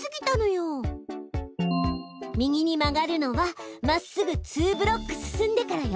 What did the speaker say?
右に曲がるのはまっすぐ２ブロックすすんでからよ！